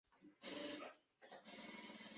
每一个参加国都有自己的创意思维活动协会。